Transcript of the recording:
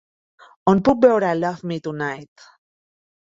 On puc veure Love Me Tonight